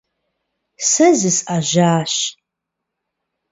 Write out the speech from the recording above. Сэ зысӀэжьащ.